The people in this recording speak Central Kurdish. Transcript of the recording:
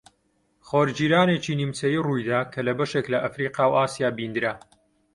خۆرگیرانێکی نیمچەیی ڕوویدا کە لە بەشێک لە ئەفریقا و ئاسیا بیندرا